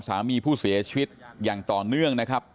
สามีผู้เสียชีวิตอย่างต่อเนื่องนะครับ